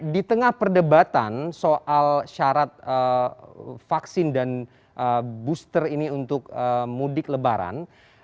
di tengah perdebatan soal syarat vaksin dan booster ini untuk mudik lebaran